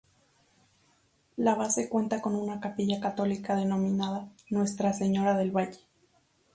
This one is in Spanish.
La base cuenta con una capilla católica denominada "Nuestra Señora del Valle".